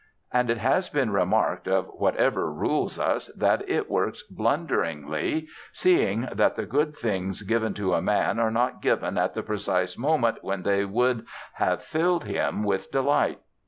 And it has been remarked of whatever rules us that it works blunderingly, seeing that the good things given to a man are not given at the precise moment when they would have filled him with delight.